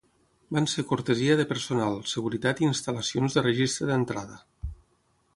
Van ser cortesia de personal, seguretat, i instal·lacions de registre d'entrada.